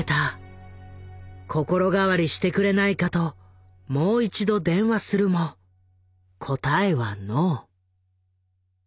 心変わりしてくれないかともう一度電話するも答えはノー。